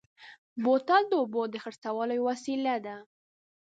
بوتل د اوبو د خرڅلاو یوه وسیله ده.